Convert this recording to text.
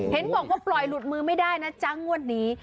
เห็นบอกว่าปล่อยหลุดมือไม่ได้นะจ๊ะงวดนี้